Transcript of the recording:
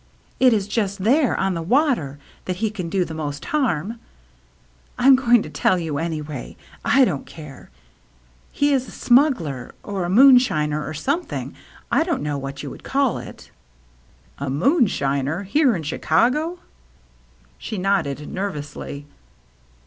" It is just there, on the water, that he can do the most harm. I'm going to tell you, any way. I don't care. He is a smuggler, or a moonshiner, or something, — I don't know what you would call it." "A moonshiner — here in Chicago!" She nodded nervously.